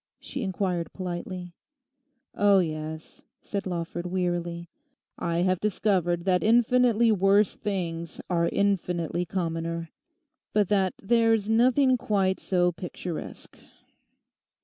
she inquired politely. 'Oh yes,' said Lawford wearily; 'I have discovered that infinitely worse things are infinitely commoner. But that there's nothing quite so picturesque.